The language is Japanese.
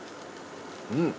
うん。